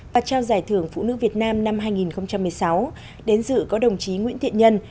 và trao giải thưởng phụ nữ việt nam năm hai nghìn một mươi sáu đến dự có đồng chí nguyễn thiện nhân